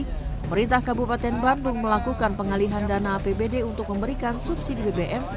pemerintah kabupaten bandung melakukan pengalihan dana apbd untuk memberikan subsidi bbm